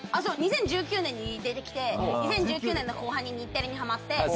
そう２０１９年に出てきて２０１９年の後半に日テレにハマって。